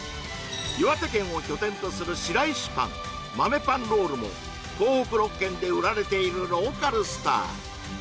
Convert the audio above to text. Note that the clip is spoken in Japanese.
岩手県を拠点とするシライシパン豆パンロールも東北６県で売られているローカルスター